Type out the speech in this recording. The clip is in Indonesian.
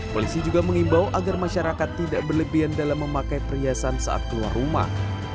polisi juga mengimbau agar masyarakat tidak berlebihan dalam memakai perhiasan saat keluar rumah